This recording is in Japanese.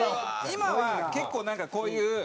今は結構なんかこういう。